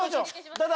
ただ。